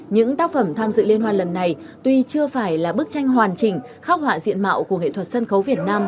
những tác phẩm tham dự liên hoan lần này tuy chưa phải là bức tranh hoàn chỉnh khắc họa diện mạo của nghệ thuật sân khấu việt nam